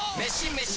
メシ！